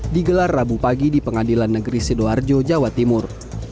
digelar rabu pagi di pengadilan negeri sidoarjo jawa timur